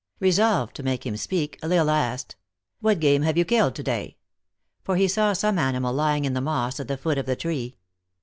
Resolved to make him speak, L Isle asked, " What game have you killed to day ?" for he saw some ani mal lying in the moss at the foot of the tree.